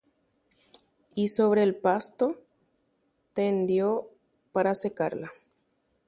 ha kapi'ipe ári oipyso ikã hag̃ua.